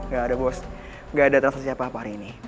gak ada bos gak ada transaksi apa apa hari ini